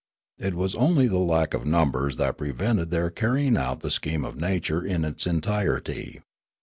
It was only the lack of numbers that prevented their carr3ang out the scheme of nature in its entirety.